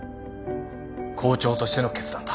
校長としての決断だ。